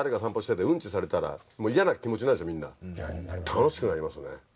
楽しくなりますね